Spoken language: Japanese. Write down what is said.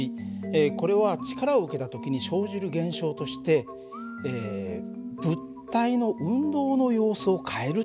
これは力を受けた時に生じる現象として物体の運動の様子を変える。